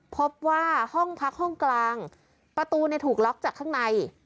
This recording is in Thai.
พบว่าห้องพักห้องกลางประตูถูกล็อกจากข้างใน